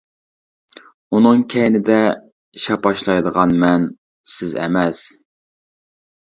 ئۇنىڭ كەينىدە شاپاشلايدىغان مەن سىز ئەمەس.